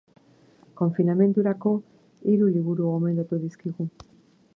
Konfinamendurako hiru liburu gomendatu dizkigu.